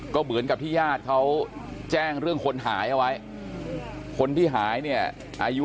ก็เหมือนกับที่ญาติเขาแจ้งเรื่องคนหายเอาไว้คนที่หายเนี่ยอายุ